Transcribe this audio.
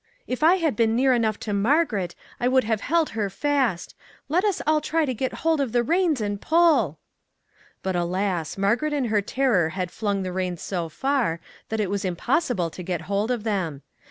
If I had been near enough to Margaret, I would have held her fast. Let us all try to get hold of the reins and pull." But, alas! Margaret in her terror had flung the reins so far that it was impossible to get hold of them.